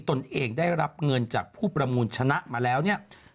ตนเองได้รับเงินจากผู้ประมูลชนะมาแล้วเนี่ย